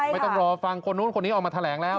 ไม่ต้องรอฟังคนนู้นคนนี้ออกมาแถลงแล้ว